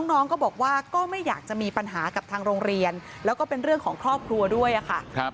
น้องก็บอกว่าก็ไม่อยากจะมีปัญหากับทางโรงเรียนแล้วก็เป็นเรื่องของครอบครัวด้วยค่ะ